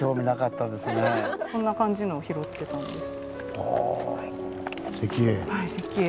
こんな感じのを拾ってたんです。